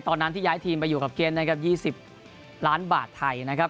ตอนนั้นที่ย้ายทีมไปอยู่กับเกณฑ์๒๐ล้านบาทไทยนะครับ